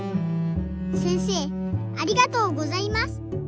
せんせいありがとうございます。